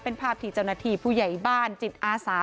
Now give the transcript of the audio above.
เป็นภาพที่เจ้าหน้าที่ผู้ใหญ่บ้านจิตอาสา